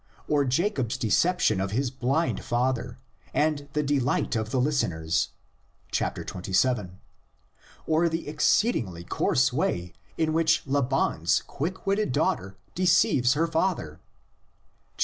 or Jacob's deception of his blind father and the de light of the listeners (xxvii.), or the exceedingly coarse way in which Laban's quick witted daughter deceives her father (xxxi.